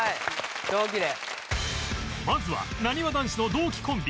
まずはなにわ男子の同期コンビ